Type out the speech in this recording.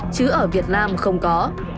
chứ ở việt nam không có